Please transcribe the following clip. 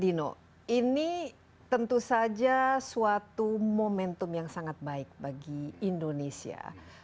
dino ini tentu saja suatu momentum yang sangat baik bagi indonesia